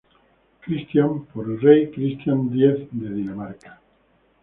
Christian por el rey Cristián X de Dinamarca.